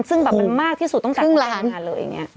ซึ่งแบบมักที่สุดตั้งแต่วันหน้าเลยอย่างนี้ครึ่งล้าน